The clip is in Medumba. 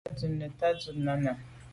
À dun neta dut nà nène.